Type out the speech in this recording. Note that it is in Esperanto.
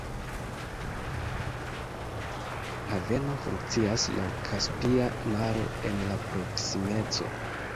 Haveno funkcias laŭ Kaspia Maro en la proksimeco.